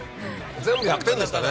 全部１００点でしたね